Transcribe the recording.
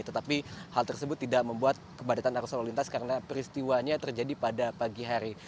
tetapi hal tersebut tidak membuat kepadatan arus lalu lintas karena peristiwanya terjadi pada pagi hari